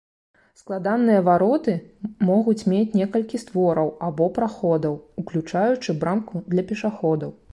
Складаныя вароты могуць мець некалькі створаў або праходаў, уключаючы брамку для пешаходаў.